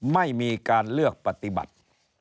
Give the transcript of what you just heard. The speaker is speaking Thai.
ไม่มีการเลือกปฏิบัติ